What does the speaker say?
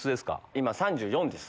今３４です。